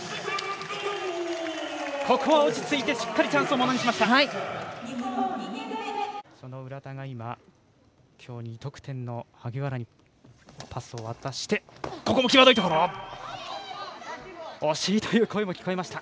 ここは落ち着いてしっかりチャンスをものにしました。